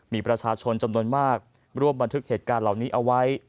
มีประชาชนจำนวนมากร่วมบันทึกเหตุการณ์เหล่านี้เอาไว้